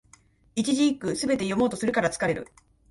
一字一句、すべて読もうとするから疲れる